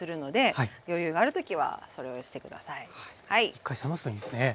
一回冷ますといいんですね。